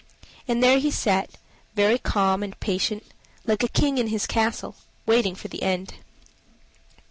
And there he sat very calm and patient, like a king in his castle, waiting for the end.